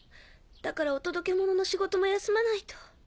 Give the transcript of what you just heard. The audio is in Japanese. だからお届け物の仕事も休まないと。